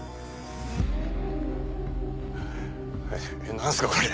何すかこれ。